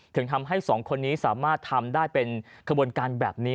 ถึงทำให้สองคนนี้สามารถทำได้เป็นขบวนการแบบนี้